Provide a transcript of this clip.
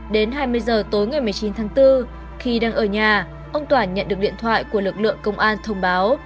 đến hai mươi giờ tối ngày một mươi chín tháng bốn khi đang ở nhà ông toản nhận được điện thoại của lực lượng công an thông báo